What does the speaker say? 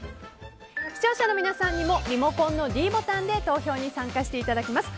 視聴者の皆さんにもリモコンのｄボタンで投票に参加していただきます。